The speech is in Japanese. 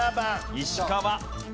石川。